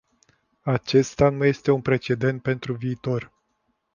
Acesta nu este un precedent pentru viitor.